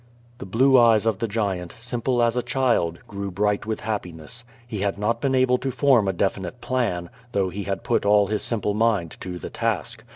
The blue eyes of the giant, simple as a child, grew bright with happiness. He had not been able to form a definite plan, though he had put all his simple mind to the task.